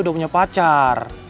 udah punya pacar